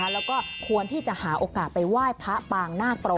แล้วก็ควรที่จะหาโอกาสไปไหว้พระปางนาคโปร